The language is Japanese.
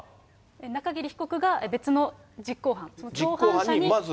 中桐被告が別の実行犯、共犯者に。